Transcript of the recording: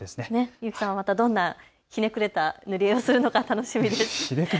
井上さんはどんなひねくれた塗り絵をするのか楽しみです。